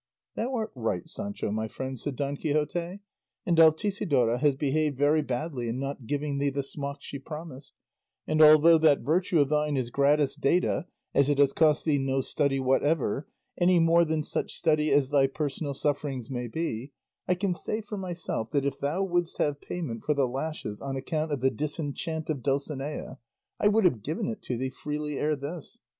"Thou art right, Sancho my friend," said Don Quixote, "and Altisidora has behaved very badly in not giving thee the smocks she promised; and although that virtue of thine is gratis data as it has cost thee no study whatever, any more than such study as thy personal sufferings may be I can say for myself that if thou wouldst have payment for the lashes on account of the disenchant of Dulcinea, I would have given it to thee freely ere this.